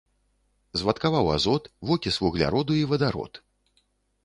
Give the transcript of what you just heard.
Звадкаваў азот, вокіс вугляроду і вадарод.